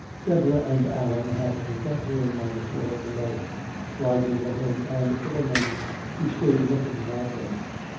Deborah and Allan had the front room on the floor below. Roger went in, and for a moment he stood looking about him.